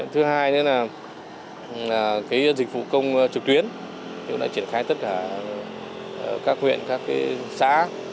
thứ hai là dịch vụ công trực tuyến chúng tôi đã triển khai tất cả các huyện các xã